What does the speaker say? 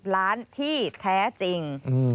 ล้านที่แท้จริง